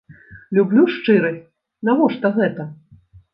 Люблю шчырасць, навошта гэта?